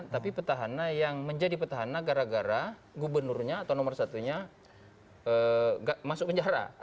tapi petahana yang menjadi petahana gara gara gubernurnya atau nomor satunya masuk penjara